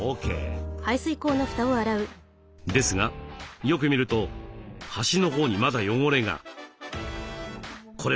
ですがよく見ると端のほうにまだ汚れが。